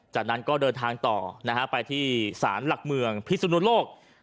จากนั้นก็เดินทางต่อไปที่สารหลักเมืองพิสุนุโลก